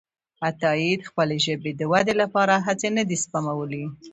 عطاييد خپلې ژبې د ودې لپاره هڅې نه دي سپمولي.